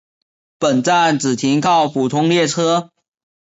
本站只停靠普通列车。